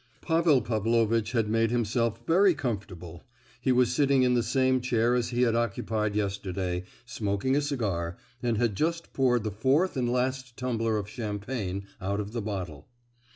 Pavel Pavlovitch had made himself very comfortable. He was sitting in the same chair as he had occupied yesterday, smoking a cigar, and had just poured the fourth and last tumbler of champagne out of the bottle.